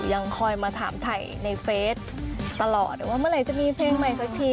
ยังคอยมาถามถ่ายในเฟสตลอดว่าเมื่อไหร่จะมีเพลงใหม่สักที